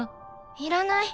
いらない！